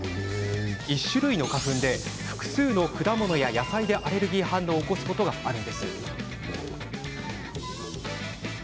１種類の花粉で複数の果物や野菜でアレルギー反応を起こすことがあるんです。